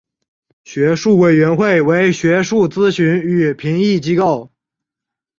学术委员会为学术咨询与评议机构。